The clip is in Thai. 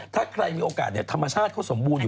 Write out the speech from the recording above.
ถ้าใครมีโอกาสเนี่ย